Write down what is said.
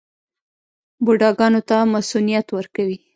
بوډاګانو ته مصوونیت ورکوي.